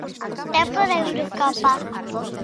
Tempo de Eurocopa.